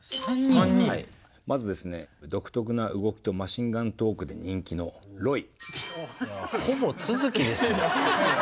まずですね独特な動きとマシンガントークで人気のロイ。